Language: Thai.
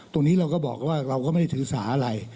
ตรงนี้เราก็บอกว่าเราก็ไม่ได้ถือสาอะไร